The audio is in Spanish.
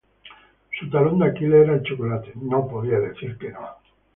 Su talón de Aquiles era el chocolate, no podía decir que no